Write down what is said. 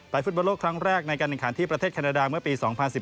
ฟุตบอลโลกครั้งแรกในการแข่งขันที่ประเทศแคนาดาเมื่อปี๒๐๑๘